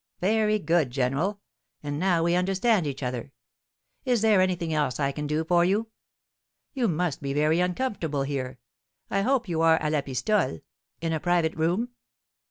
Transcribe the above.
"Very good, general; and now we understand each other. Is there anything else I can do for you? You must be very uncomfortable here. I hope you are à la pistole (in a private room)?"